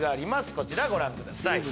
こちらご覧ください。